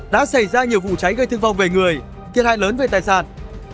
đã xảy ra nhiều vụ cháy gây thương vong về người thiệt hại lớn về tài sản